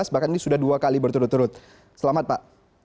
bahkan ini sudah dua kali berturut turut selamat pak